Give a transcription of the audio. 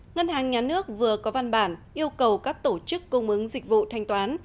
ngân hàng nhà nước vừa có văn bản yêu cầu các tổ chức cung ứng dịch vụ thanh toán